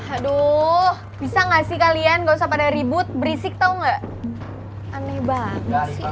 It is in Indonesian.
aduh bisa gak sih kalian gak usah pada ribut berisik tau gak aneh banget sih